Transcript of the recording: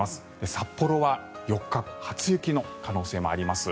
札幌は４日初雪の可能性もあります。